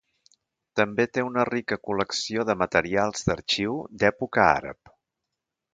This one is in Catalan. També té una rica col·lecció de materials d'arxiu d'època àrab.